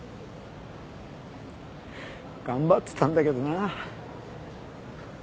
頑張ってたんだけどな。